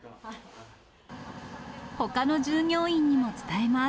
ほかの従業員にも伝えます。